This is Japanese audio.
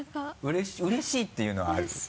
うれしいっていうのはある？